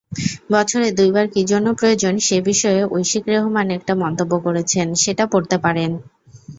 বছরে দুইবার কী জন্য প্রয়োজন সেবিষয়ে ঐশিক রেহমান একটা মন্তব্য করেছেন, সেটা পড়তে পারেন।